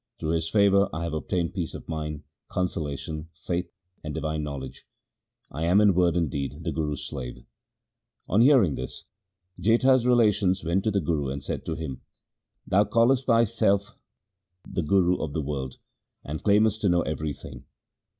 Through his favour I have obtained peace of mind, consolation, faith, and divine knowledge. I am in word and deed the Guru's slave.' On hearing this Jetha's relations went to the Guru, and said to him, ' Thou callest thyself the Guru of the world, and claimest to know everything.